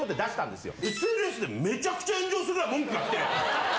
ＳＮＳでめちゃくちゃ炎上するわ文句がきて。